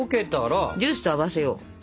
ジュースと合わせよう。